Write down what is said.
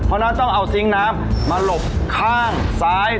เพราะฉะนั้นต้องเอาซิงค์น้ำมาหลบข้างซ้าย